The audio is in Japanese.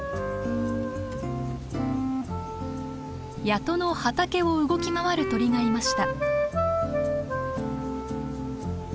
谷戸の畑を動き回る鳥がいました。